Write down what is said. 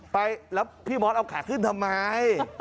ไปแล้วพี่มอสเอาขาขึ้นทำไม